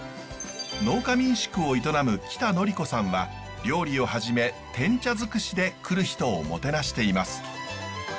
農家民宿を営む北紀子さんは料理をはじめてん茶尽くしで来る人をもてなしています。